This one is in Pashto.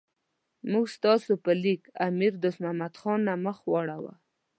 موږ ستاسو په لیک امیر دوست محمد خان نه مخ واړاو.